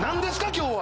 今日は。